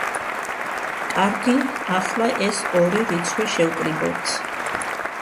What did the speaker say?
კარგი, ახლა, ეს ორი რიცხვი შევკრიბოთ.